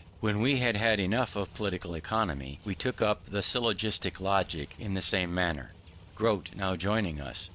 When we had enough of political economy, we took up the syllogistic logic in the same manner, Grote now joining us.